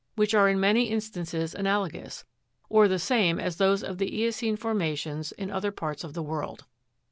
79 which are in many instances analogous, or the same as those of the eocene formations in other parts of the world.